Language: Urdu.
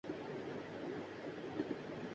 بند ذہن کچھ تخلیق نہیں کر سکتے۔